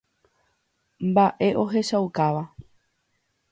Mba'e ohechaukáva.